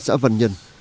xã văn nhân